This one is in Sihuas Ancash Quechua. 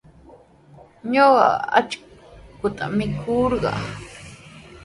Ñuqa akshuta mikurqaa.